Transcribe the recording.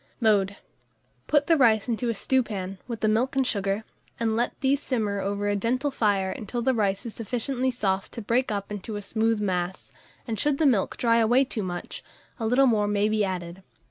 Mode. Put the rice into a stewpan, with the milk and sugar, and let these simmer over a gentle fire until the rice is sufficiently soft to break up into a smooth mass, and should the milk dry away too much, a little more may be added.